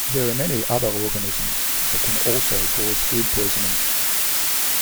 There are many other organisms that can also cause food poisoning.